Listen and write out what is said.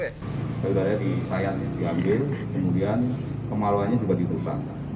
dari darahnya disayang diambil kemudian kemaluannya juga ditusan